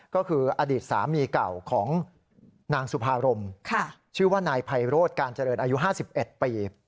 ก็คืออดีตสามีเก่าของนางสุภารมชื่อว่านายไพโรธการเจริญอายุ๕๑ปี